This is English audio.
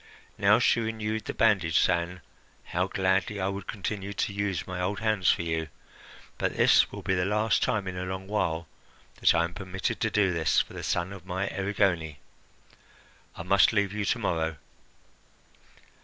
Now she renewed the bandage, saying: "How gladly I would continue to use my old hands for you, but this will be the last time in a long while that I am permitted to do this for the son of my Erigone; I must leave you to morrow."